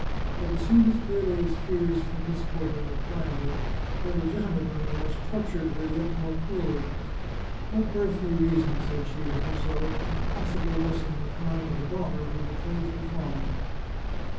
But as soon as Clelia's fears from this quarter were quieted, her legitimate remorse tortured her yet more cru elly. " What earthly reason," said she to herself, " can possi bly lessen the crime of a daughter who betrays her father